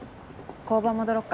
交番戻ろっか。